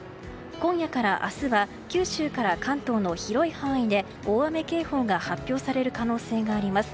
今夜から明日は九州から関東の広い範囲で大雨警報が発表される可能性があります。